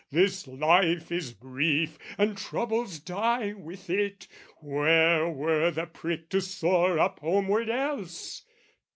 "This life is brief and troubles die with it: "Where were the prick to soar up homeward else?"